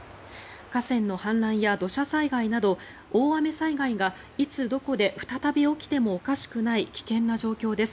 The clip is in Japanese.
河川の氾濫や土砂災害など大雨災害がいつどこで再び起きてもおかしくない危険な状況です。